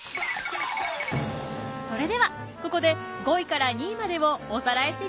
それではここで５位から２位までをおさらいしてみましょう。